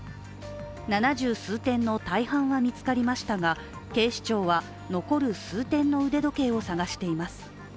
七十数点の大半は見つかりましたが、警視庁は残る数点の腕時計を探しています。